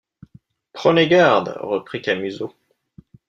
Prenez garde, reprit Camusot.